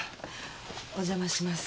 お邪魔します。